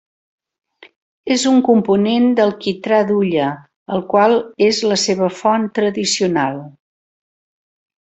És un component del quitrà d'hulla, el qual és la seva font tradicional.